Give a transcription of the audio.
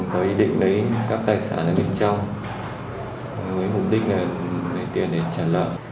có ý định lấy các tài sản ở bên trong với mục đích là lấy tiền để trả nợ